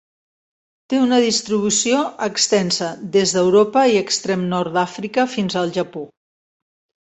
Té una distribució extensa: des d'Europa i extrem nord d'Àfrica fins al Japó.